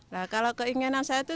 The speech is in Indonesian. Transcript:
nah kalau keinginan saya itu